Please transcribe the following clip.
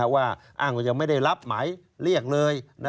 ว่าอ้างว่ายังไม่ได้รับหมายเรียกเลย